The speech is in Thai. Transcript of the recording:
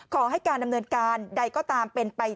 ขอให้การดำเนินการใดก็ตามเป็นไป